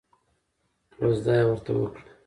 کوژده یې ورته وکړه.